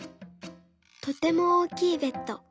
とてもおおきいベッド